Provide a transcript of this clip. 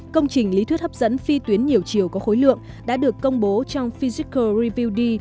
công trình lý thuyết hấp dẫn phi tuyến nhiều chiều có khối lượng đã được công bố trong fijiker reviewd